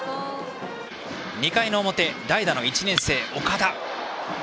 ２回の表、代打の１年生、岡田。